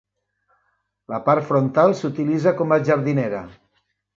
La part frontal s'utilitza com a jardinera.